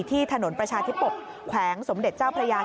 ที่ถนนประชาธิปกแขวงสมเด็จเจ้าพระยา